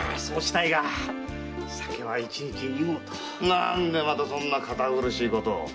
何でまたそんな堅苦しいことを。